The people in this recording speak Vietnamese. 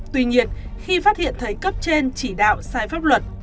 tuy nhiên khi phát hiện thấy cấp trên chỉ đạo sai pháp luật